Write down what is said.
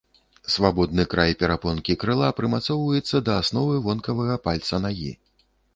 Свабодны край перапонкі крыла прымацоўваецца да асновы вонкавага пальца нагі.